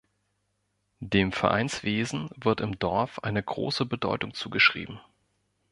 Dem Vereinswesen wird im Dorf eine große Bedeutung zugeschrieben.